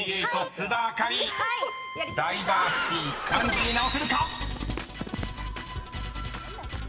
須田亜香里「ダイバーシティ」漢字に直せるか⁉］